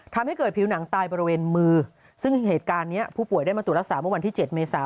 ทำให้เกิดผิวหนังตายบริเวณมือซึ่งเหตุการณ์นี้ผู้ป่วยได้มาตรวจรักษาเมื่อวันที่๗เมษา